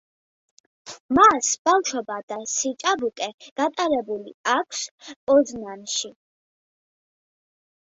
მას ბავშვობა და სიჭაბუკე გატარებული აქვს პოზნანში.